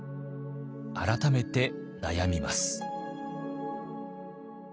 改めて悩みます。